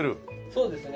そうですね。